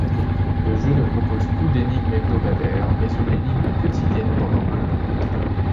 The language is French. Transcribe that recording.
Le jeu ne propose plus d’énigmes hebdomadaires, mais une énigme quotidienne pendant un an.